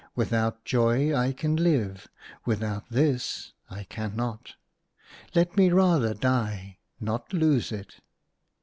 Without Joy I can live ; without this I cannot. Let me rather die, not lose it!"